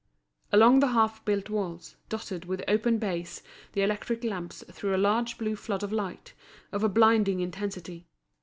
Along the half built walls, dotted with open bays, the electric lamps threw a large blue flood of light, of a blinding intensity.